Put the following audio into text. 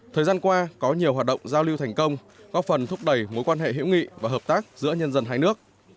thời gian qua có nhiều hoạt động giao lưu thành công góp phần thúc đẩy mối quan hệ hữu nghị và hợp tác giữa nhân dân hai nước